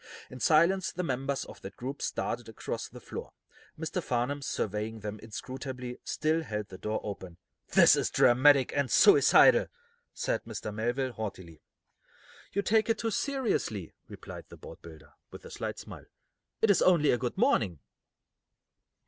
In silence the members of that group started across the floor. Mr. Farnum, surveying them inscrutably, still held the door open. "This is dramatic and suicidal," said Mr. Melville, haughtily. "You take it too seriously," replied the boatbuilder, with a slight smile. "It is only good morning."